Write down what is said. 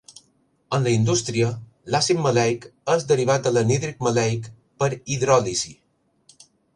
En la indústria, l'àcid maleic és derivat de l'anhídrid maleic per hidròlisi.